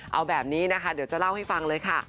เอาแบบนี้นะคะเดี๋ยวจะเล่าให้ฟังเลยค่ะ